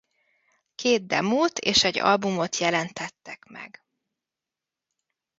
Két demót és egy albumot jelentettek meg.